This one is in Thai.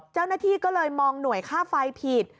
เจ้าหน้าที่ก็เลยมองหน่วยค่าไฟผิด